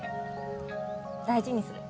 大事にする